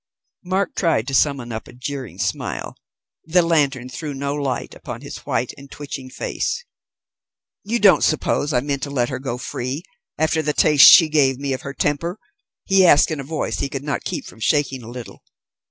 Mark tried to summon up a jeering smile. The lantern threw no light upon his white and twitching face. "You don't suppose I meant to let her go free, after the taste she gave me of her temper?" he asked, in a voice he could not keep from shaking a little.